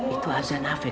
itu azan hafiqah